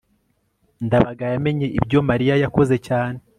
ndabaga yamenye ibyo mariya yakoze cyane